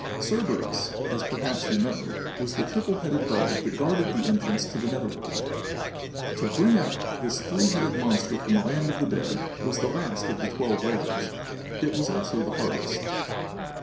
Cerberus, as perhaps you know, was the triple headed dog that guarded the entrance to the nether world. To bring up this three headed monster from the land of the dead was the last of the twelve labors. It was also the hardest.